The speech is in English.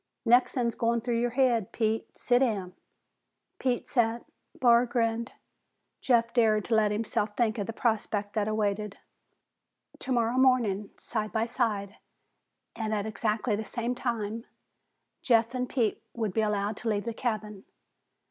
"Next'un's goin' through your haid, Pete. Si' down." Pete sat. Barr grinned. Jeff dared let himself think of the prospect that awaited. Tomorrow morning, side by side and at exactly the same time, Jeff and Pete would be allowed to leave the cabin.